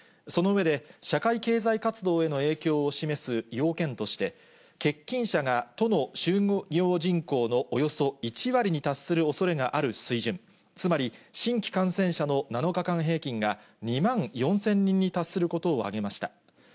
その上で、社会経済活動への影響を示す要件として、欠勤者が都の就業人口のおよそ１割に達するおそれがある水準、つまり、新規感染者の７日間平均が、２万４０００人に達することを挙げました。